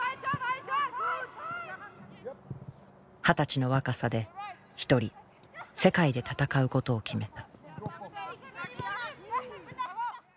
二十歳の若さで一人世界で戦うことを決めた。